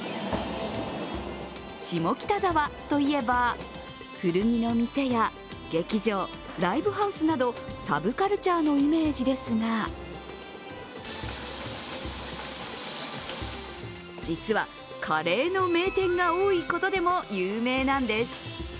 下北沢といえば、古着の店や劇場、ライブハウスなどサブカルチャーのイメージですが実はカレーの名店が多いことでも有名なんです。